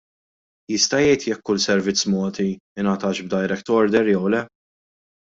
Jista' jgħid jekk kull servizz mogħti, ingħatax b'direct order jew le?